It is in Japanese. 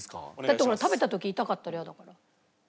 だってほら食べた時痛かったらイヤだから。